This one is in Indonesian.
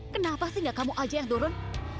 kenapa sih gak kamu aja yang turun